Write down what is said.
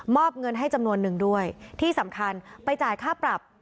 เงินให้จำนวนนึงด้วยที่สำคัญไปจ่ายค่าปรับ